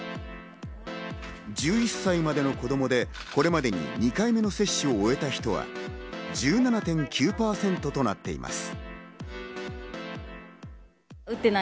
１１歳までの子供で、これまでに２回目の接種を終えた人は１７．９％となっています。